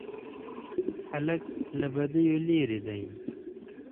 هلک له بدیو لیرې دی.